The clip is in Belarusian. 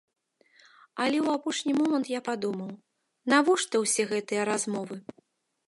Але ў апошні момант я падумаў, навошта ўсе гэтыя размовы?